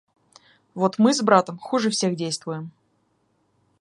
Вот мы с братом хуже всех действуем.